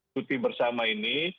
putih bersama ini